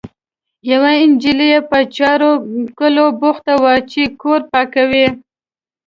یوه نجلۍ یې په جارو کولو بوخته وه، چې کور پاکوي.